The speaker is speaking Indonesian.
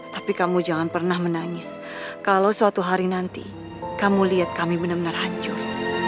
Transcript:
tapi kamu jangan pernah menangis kalau suatu hari nanti kamu lihat kami benar benar hancur